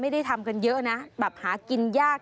ได้